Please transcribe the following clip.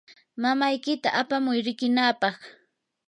mamaykita apamuy riqinaapaq.